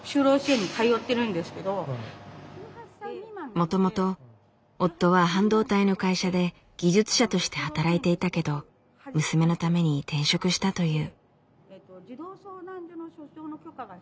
もともと夫は半導体の会社で技術者として働いていたけど娘のために転職したという。